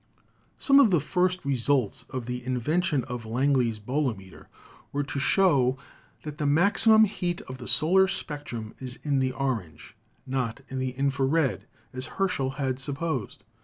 Some of the first results of the invention of Langley's bolometer were to show that the maximum heat of the solar spectrum is in the orange, not in the infra red, as Herschel had supposed.